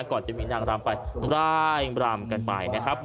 ก็จะมีนางระไม่ร้ายร้ำกันปลายนะครับ